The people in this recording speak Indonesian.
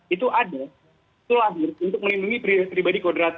itu ada itu lahir untuk melindungi pribadi kodrat